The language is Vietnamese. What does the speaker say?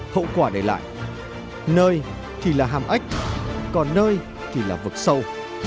hậu quả để lại nơi thì là hàm ếch còn nơi thì là vực sâu